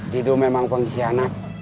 dido memang pengkhianat